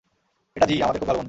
এটা যী, আমাদের খুব ভালো বন্ধু।